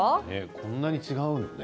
こんなに違うのね。